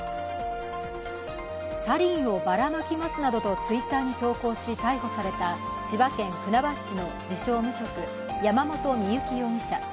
サリンをばらまきますなどとＴｗｉｔｔｅｒに投稿し、逮捕された千葉県船橋市の自称無職山本深雪容疑者。